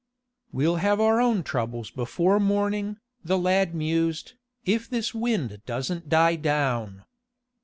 "We'll have our own troubles before morning," the lad mused, "if this wind doesn't die down."